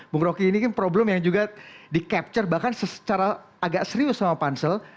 bung roky ini kan problem yang juga di capture bahkan secara agak serius sama pansel